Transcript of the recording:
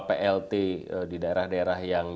plt di daerah daerah yang